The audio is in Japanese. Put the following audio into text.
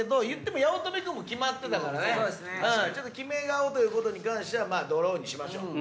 ちょっとキメ顔ということに関してはＤＲＡＷにしましょう。